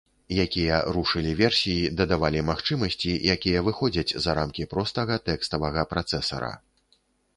Якія рушылі версіі дадавалі магчымасці, якія выходзяць за рамкі простага тэкставага працэсара.